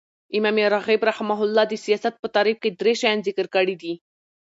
امام راغب رحمة الله د سیاست په تعریف کښي درې شیان ذکر کړي دي.